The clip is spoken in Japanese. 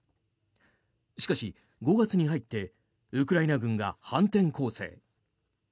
しかし、５月に入ってウクライナ軍が反転攻勢。